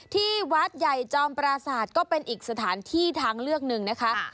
ที่วัดใหญ่จอมปราศาสตร์ก็เป็นอีกสถานที่ทางเลือกหนึ่งนะคะ